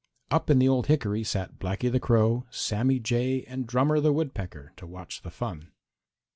Up in the old hickory sat Blacky the Crow, Sammy Jay and Drummer the Woodpecker, to watch the fun.